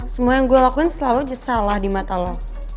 semua yang gue lakuin selalu salah di mata lo